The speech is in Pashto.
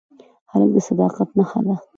هلک د صداقت نښه ده.